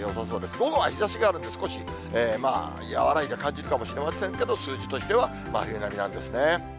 午後は日ざしがあるので、少し和らいで感じるかもしれませんけど、数字としては真冬並みなんですね。